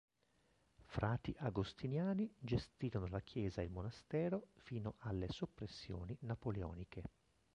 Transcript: Frati agostiniani gestirono la chiesa e il monastero fino alle soppressioni napoleoniche.